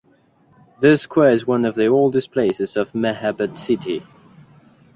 This square is one of the oldest places of Mahabad city.